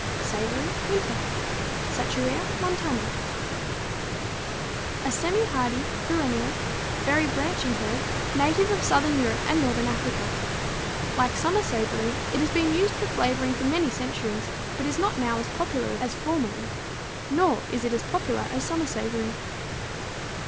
=Savory, Winter= (Satureia montana, Linn.), a semi hardy, perennial, very branching herb, native of southern Europe and northern Africa. Like summer savory, it has been used for flavoring for many centuries, but is not now as popular as formerly, nor is it as popular as summer savory.